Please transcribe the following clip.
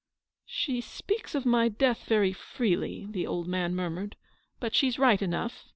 <l She speaks of my death very freely," the old man murmured, " but she's right enough.